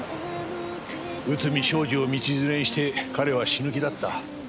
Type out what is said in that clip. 内海将司を道連れにして彼は死ぬ気だった。